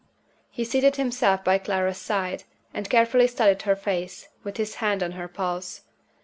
He seated himself by Clara's side, and carefully studied her face, with his hand on her pulse.